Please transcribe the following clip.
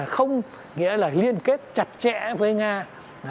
không nghĩa là liên kết chặt chẽ với nga